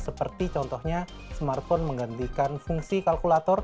seperti contohnya smartphone menggantikan fungsi kalkulator